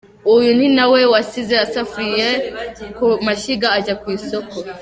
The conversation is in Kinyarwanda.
Uyu ni nawe wasize isafuriya ku mashyiga, ajya ku isoko.